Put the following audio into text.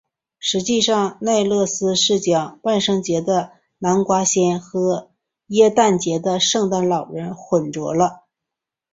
实际上奈勒斯是将万圣节的南瓜仙和耶诞节的圣诞老人混淆了。